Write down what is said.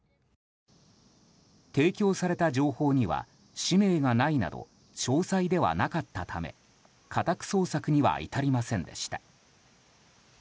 提供された情報には氏名がないなど詳細ではなかったため家宅捜索には至りませんでした。